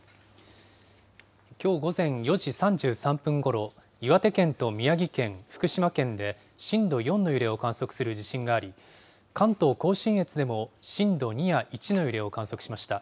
きょう午前４時３３分ごろ、岩手県と宮城県、福島県、震度４の揺れを観測する地震があり、関東甲信越でも震度２や１の揺れを観測しました。